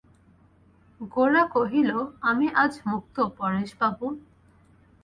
গোরা কহিল, আমি আজ মুক্ত পরেশবাবু!